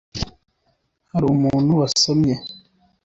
hari umuntu wasomye